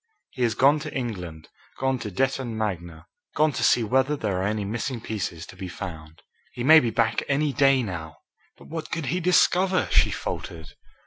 He has gone to England gone to Detton Magna gone to see whether there are any missing pieces to be found. He may be back any day now." "But what could he discover?" she faltered.